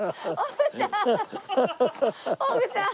おぐちゃん！